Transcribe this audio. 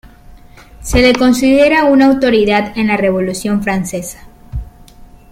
Se le considera una autoridad en la Revolución francesa.